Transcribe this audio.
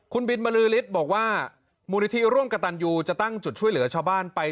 คุณบินบรือฤทธิ์บอกว่ามูลนิธิร่วมกับตันยูจะตั้งจุดช่วยเหลือชาวบ้านไป